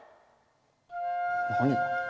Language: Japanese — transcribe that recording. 何が？